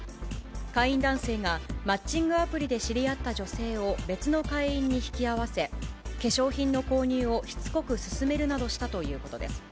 会員男性がマッチングアプリで知り合った女性を別の会員に引き合わせ、化粧品の購入をしつこく勧めるなどしたということです。